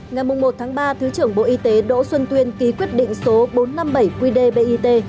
ngày một ba thứ trưởng bộ y tế đỗ xuân tuyên ký quyết định số bốn trăm năm mươi bảy qdbit